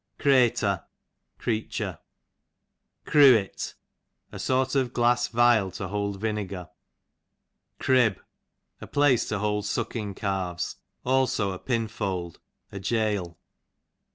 Cretur, creature. Crewet, a sort of glass vial to hold vinegar. Crib, a place to hold sucking calves ; also a pinfold, a gaol.